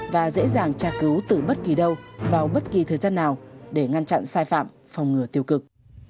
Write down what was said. và dễ dàng tra cứu từ bất kỳ đâu vào bất kỳ thời gian nào để ngăn chặn sai phạm phòng ngừa tiêu cực